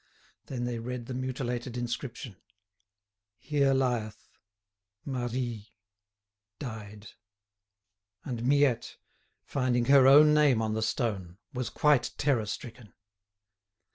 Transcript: Then they read the mutilated inscription: "Here lieth ... Marie ... died ..." And Miette, finding her own name on the stone, was quite terror stricken.